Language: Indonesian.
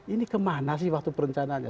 ini kemana sih waktu perencanaannya